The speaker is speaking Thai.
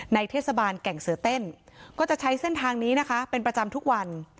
เทศบาลแก่งเสือเต้นก็จะใช้เส้นทางนี้นะคะเป็นประจำทุกวัน